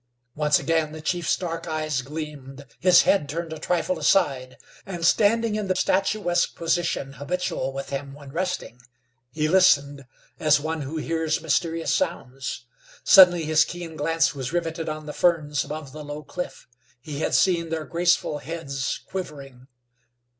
Once again the chief's dark eyes gleamed, his head turned a trifle aside, and, standing in the statuesque position habitual with him when resting, he listened, as one who hears mysterious sounds. Suddenly his keen glance was riveted on the ferns above the low cliff. He had seen their graceful heads quivering.